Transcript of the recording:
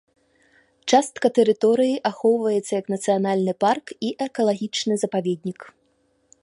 Частка тэрыторыі ахоўваецца як нацыянальны парк і экалагічны запаведнік.